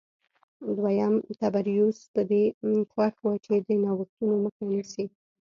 دویم تبریوس په دې خوښ و چې د نوښتونو مخه نیسي